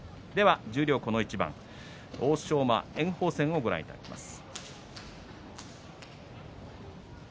十両この一番欧勝馬、炎鵬戦をご覧いただきます。